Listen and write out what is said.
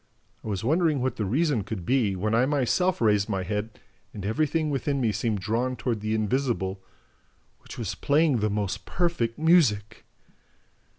I was wondering what the reason could be, when I myself raised my head and everything within me seemed drawn toward the invisible, WHICH WAS PLAYING THE MOST PERFECT MUSIC!